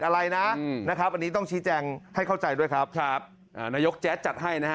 อะไรนะต้องชี้แจงให้เข้าใจด้วยครับนายกแจ๊ะจัดให้นะครับ